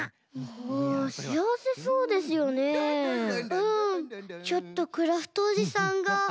うんちょっとクラフトおじさんがうらやましい。